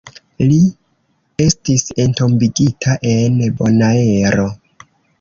Li estis entombigita en Bonaero.